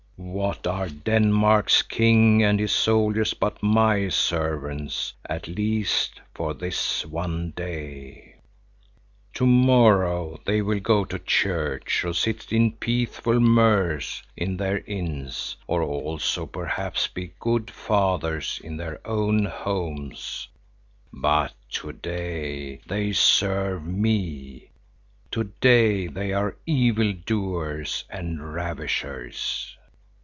What are Denmark's king and his soldiers but my servants, at least for this one day? To morrow they will go to church, or sit in peaceful mirth in their inns, or also perhaps be good fathers in their own homes, but to day they serve me; to day they are evil doers and ravishers."